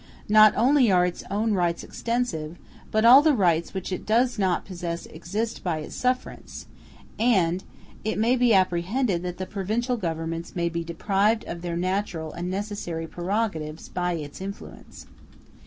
Not only are its own rights extensive, but all the rights which it does not possess exist by its sufferance, and it may be apprehended that the provincial governments may be deprived of their natural and necessary prerogatives by its influence.